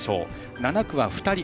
７区は２人。